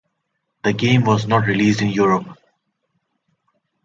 The game was not released in Europe.